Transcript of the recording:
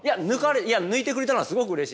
いや抜いてくれたのはすごくうれしいです。